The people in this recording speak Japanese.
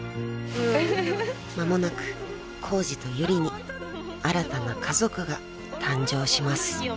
［間もなくコウジとユリに新たな家族が誕生します］